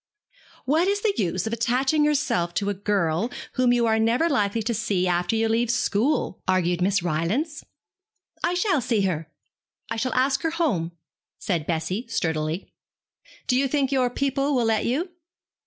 'What is the use of attaching yourself to a girl whom you are never likely to see after you leave school?' argued Miss Rylance. 'I shall see her. I shall ask her home,' said Bessie, sturdily. 'Do you think your people will let you?'